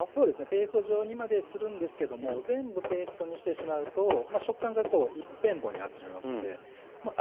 ペースト状にまでするんですけども全部ペーストにしてしまうとまあ食感がこう一辺倒になってしまいますのでまあ